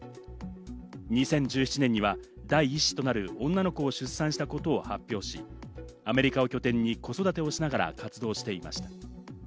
２０１７年には第１子となる女の子を出産したことを発表し、アメリカを拠点に子育てをしながら活動していました。